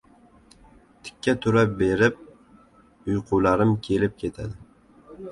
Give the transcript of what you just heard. Tikka tura berib, uyqularim kelib ketadi.